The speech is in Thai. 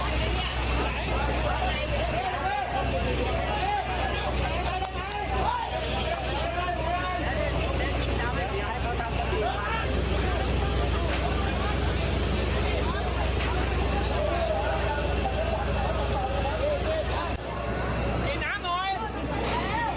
น้ำได้ยินเสียงอีกใช่ไหมอยู่ข้างนึงแบงค์หลังแล้วแบงค์หลัง